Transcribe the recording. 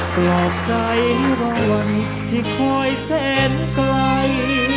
กลับใจรอวันที่คอยเส้นไกล